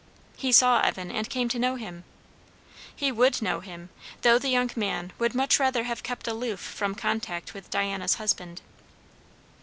He saw Evan and came to know him; he would know him, though the young man would much rather have kept aloof from contact with Diana's husband.